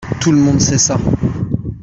Tout le monde sait ça.